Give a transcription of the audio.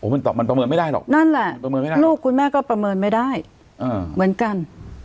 ประเมินไม่ได้หรอกลูกมันประเมินไม่ได้เหมือนกัน